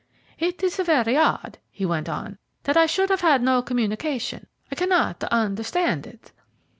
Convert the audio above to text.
"It is very odd," he went on, "that I should have had no communication. I cannot understand it."